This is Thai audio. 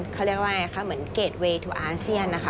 เขาเรียกว่าอะไรคะเหมือนเกรดเวทูอาเซียนนะคะ